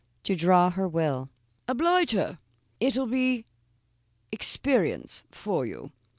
"To draw her will." "Oblige her. It'll be experience for you."